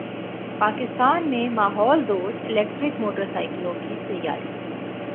پاکستان میں ماحول دوست الیکٹرک موٹر سائیکلوں کی تیاری